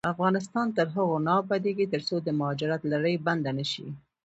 افغانستان تر هغو نه ابادیږي، ترڅو د مهاجرت لړۍ بنده نشي.